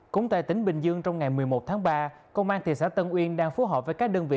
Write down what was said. cũng tại tỉnh bình dương trong ngày một mươi một tháng ba công an thị xã tân uyên đang phối hợp với các đơn vị